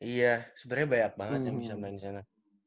iya sebenarnya banyak banget yang bisa main di sana